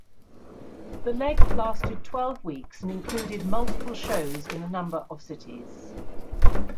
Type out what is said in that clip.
The leg lasted twelve weeks and included multiple shows in a number of cities.